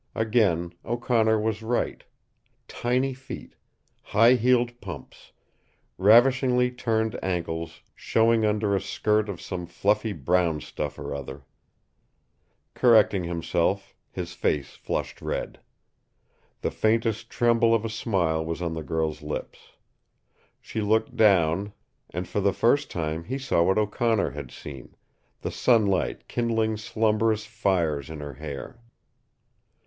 Again O'Connor was right tiny feet, high heeled pumps, ravishingly turned ankles showing under a skirt of some fluffy brown stuff or other Correcting himself, his face flushed red. The faintest tremble of a smile was on the girl's lips. She looked down, and for the first time he saw what O'Connor had seen, the sunlight kindling slumberous fires in her hair.